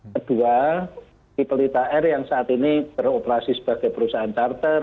kedua di pelita air yang saat ini beroperasi sebagai perusahaan charter